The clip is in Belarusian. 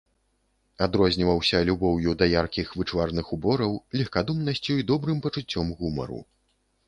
Адрозніваўся любоўю да яркіх, вычварных убораў, легкадумнасцю і добрым пачуццём гумару.